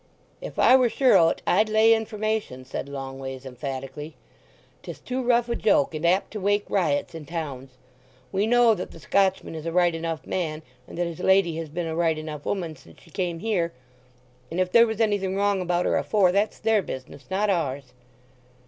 "If I were sure o't I'd lay information," said Longways emphatically. "'Tis too rough a joke, and apt to wake riots in towns. We know that the Scotchman is a right enough man, and that his lady has been a right enough 'oman since she came here, and if there was anything wrong about her afore, that's their business, not ours."